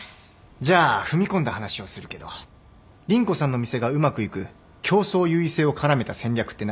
じゃあ踏み込んだ話をするけど凛子さんのお店がうまくいく競争優位性を絡めた戦略って何？